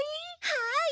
はい！